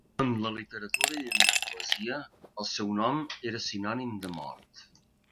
En la literatura i en la poesia el seu nom era sinònim de mort.